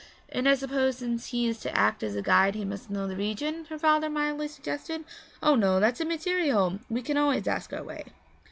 'And I suppose since he is to act as guide he must know the region?' her father mildly suggested. 'Oh, no, that's immaterial; we can always ask our way.'